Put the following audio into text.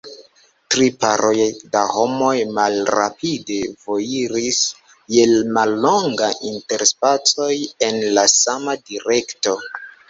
Tri paroj da homoj malrapide vojiris, je mallongaj interspacoj, en la sama direkto.